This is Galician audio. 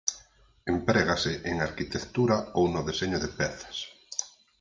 Emprégase en arquitectura ou no deseño de pezas.